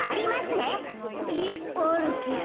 えっあるけど。